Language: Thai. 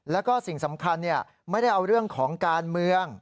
แล้วก็สิ่งสำคัญไม่ได้เอาเรื่องของการเมือง